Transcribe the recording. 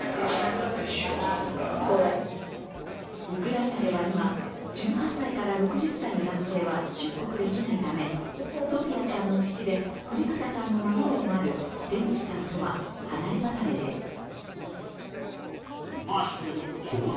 ウクライナでは今、１８歳から６０歳の男性は出国できないためソフィアちゃんの父で降旗さんの孫でもあるデニスさんとは離れ離れです。